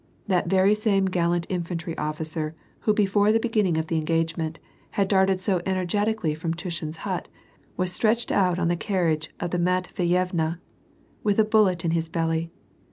That vep/ same gallant infantry officer who before the beginning of the engagement, had darted so energetically from Tushin's hut, was stretched out on the carriage of the Matv6yevna, with a bullet in his belly.